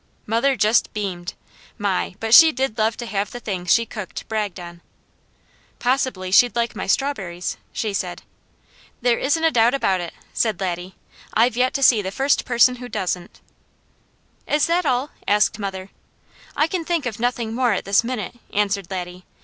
Mother just beamed. My! but she did love to have the things she cooked, bragged on. "Possibly she'd like my strawberries?" she said. "There isn't a doubt about it," said Laddie. "I've yet to see the first person who doesn't." "Is that all?" asked mother. "I can think of nothing more at this minute," answered Laddie.